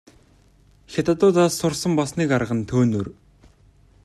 Хятадуудаас сурсан бас нэг арга нь төөнүүр.